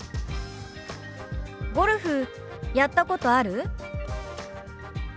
「ゴルフやったことある？」。